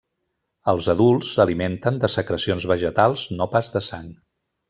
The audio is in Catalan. Els adults s'alimenten de secrecions vegetals no pas de sang.